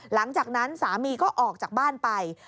หลังจากนั้นสามีก็ออกจากบ้านไป